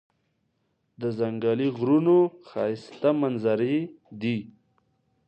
د ځنګلي غرونو ښایسته منظرې دي.